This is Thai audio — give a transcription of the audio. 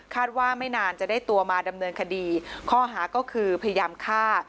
ว่าไม่นานจะได้ตัวมาดำเนินคดีข้อหาก็คือพยายามฆ่า